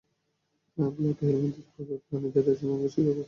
Platyhelminthes পর্বের প্রাণীদের রেচন অঙ্গে শিখাকোষ থাকে।